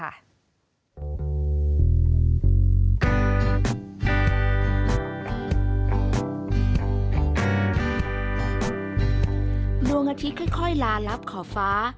ดวงอาทิตย์ค่อยลาลับขอบฟ้า